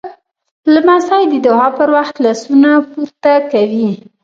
لمسی د دعا پر وخت لاسونه پورته کوي.